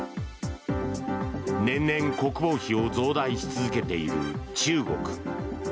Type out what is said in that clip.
年々、国防費を増大し続けている中国。